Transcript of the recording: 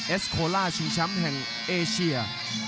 เอสโคล่าชิงแชมป์แห่งเอเชีย